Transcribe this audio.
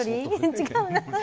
違うな。